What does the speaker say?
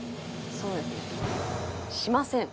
そうですね。